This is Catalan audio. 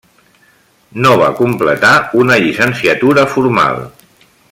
No va completar una llicenciatura formal.